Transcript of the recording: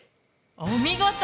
お見事。